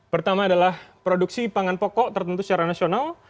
pertama adalah produksi pangan pokok tertentu secara nasional